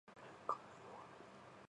早く課題終われ